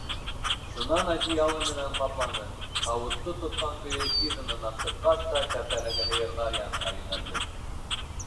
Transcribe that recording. Шунан одеялы менән ҡапланы, һауытты тотҡан көйө хижинанан сыҡҡас та кәртәләге һыйырҙар янына йүнәлде.